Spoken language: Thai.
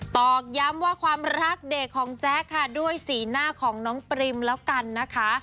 ตอกย้ำว่าความรักเด็กของแจ๊คค่ะด้วยสีหน้าของน้องปริมแล้วกันนะคะ